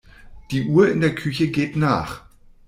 Die Uhr in der Küche geht nach.